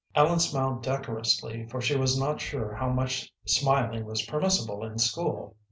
Ellen smiled decorously, for she was not sure how much smiling was permissible in school.